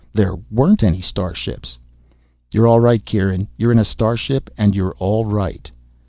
There weren't any starships. _You're all right, Kieran. You're in a starship, and you're all right.